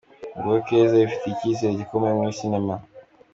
Nguwo Keza wifitiye icyizere gikomeye muri sinema.